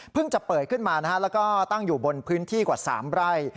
จะเปิดขึ้นมาแล้วก็ตั้งอยู่บนพื้นที่กว่า๓ไร่